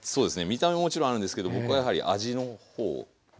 見た目ももちろんあるんですけど僕はやはり味の方を優先してますね。